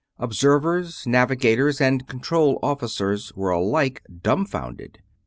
Observers, navigators, and control officers were alike dumbfounded.